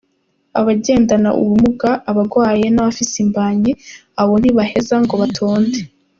Abagendana ubumuga, abagwaye n’ abafise imbanyi abo ntibaheza ngo batonde.